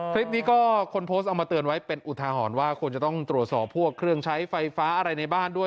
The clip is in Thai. คลิปนี้ก็คนโพสต์เอามาเตือนไว้เป็นอุทาหรณ์ว่าควรจะต้องตรวจสอบพวกเครื่องใช้ไฟฟ้าอะไรในบ้านด้วย